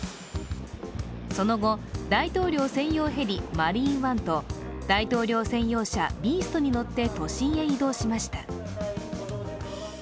その後、大統領専用ヘリ、マリーンワンと大統領専用車ビーストに乗って都心へ移動しました。